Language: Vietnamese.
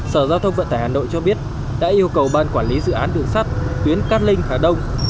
sở giao thông vận tải hà nội cho biết đã yêu cầu ban quản lý dự án đường sắt tuyến cát linh hà đông